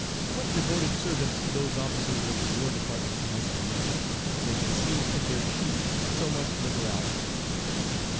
What devoted servants those officers of the War Department must be, that they can see in their chief so much liberality!